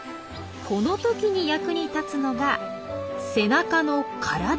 この時に役に立つのが背中の殻です。